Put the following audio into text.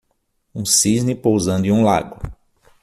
Um cisne pousando em um lago.